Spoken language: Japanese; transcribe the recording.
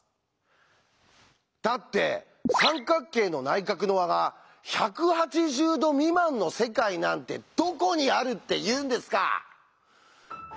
だって三角形の内角の和が１８０°未満の世界なんてどこにあるっていうんですか！